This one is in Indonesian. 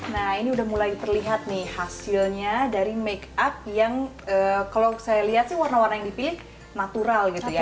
nah ini udah mulai terlihat nih hasilnya dari make up yang kalau saya lihat sih warna warna yang dipilih natural gitu ya